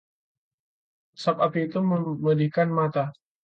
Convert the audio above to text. asap api itu memedihkan mata